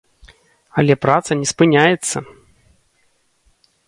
Але праца не спыняецца!